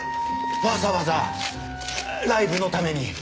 わざわざライブのために？